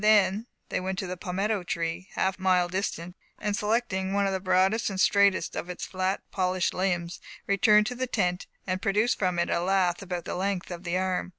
They then went to the palmetto tree, half a mile distant, and selecting one of the broadest and straightest of its flat, polished limbs, returned to the tent, and produced from it a lath about the length of the arm.